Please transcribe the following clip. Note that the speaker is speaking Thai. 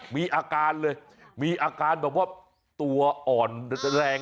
มีอาการเลยมีอาการแบบว่าตัวอ่อนแรง